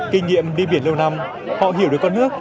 kinh nghiệm đi biển lâu năm họ hiểu được con nước